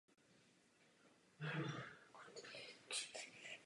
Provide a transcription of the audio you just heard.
Cenzuru tehdy vykonávala státní organizace nazývaná Úřad pro tiskový dozor.